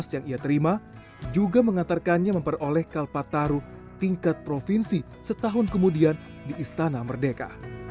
yang ia terima juga mengantarkannya memperoleh kalpataru tingkat provinsi setahun kemudian di istana merdeka